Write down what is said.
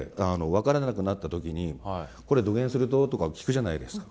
分からなくなった時に「これどげんすると？」とか聞くじゃないですか。